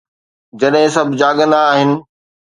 جڏهن سڀ جاڳندا آهن